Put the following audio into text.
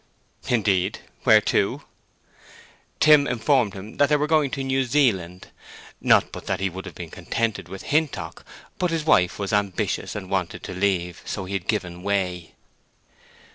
"Indeed. Where to?" Tim informed him that they were going to New Zealand. Not but that he would have been contented with Hintock, but his wife was ambitious and wanted to leave, so he had given way.